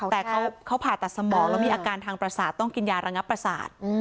แต่เขาผ่าตัดสมองแล้วมีอาการทางประสาทต้องกินยาระงับประสาท